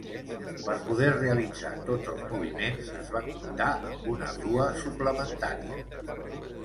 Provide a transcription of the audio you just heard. Per poder realitzar tots els moviments, es va comptar amb una grua suplementària.